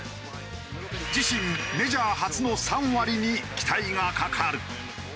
自身メジャー初の３割に期待がかかる。